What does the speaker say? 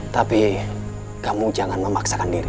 tapi kamu jangan memaksakan diri